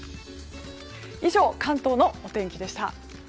以上、関東のお天気でした。